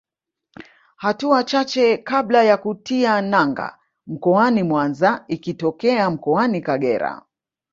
Hatua chache kabla ya kutia nanga mkoani Mwanza ikitokea Mkoani Kagera